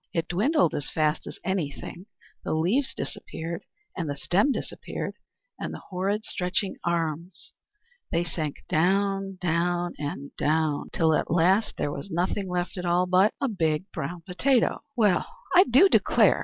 It dwindled as fast as anything, the leaves disappeared, and the stem disappeared and all the horrid stretching arms. They sank down, down, and down, till at last there was nothing left at all but a big brown potato! "Well, I do declare!"